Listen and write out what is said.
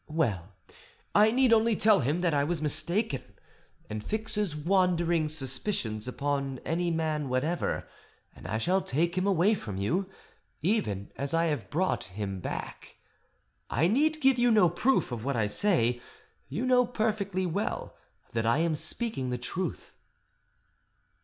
Well, I need only tell him that I was mistaken, and fix his wandering suspicions upon any man whatever, and I shall take him away from you, even as I have brought him back. I need give you no proof of what I say; you know perfectly well that I am speaking the truth."